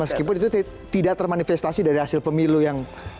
meskipun itu tidak termanifestasi dari hasil pemilu yang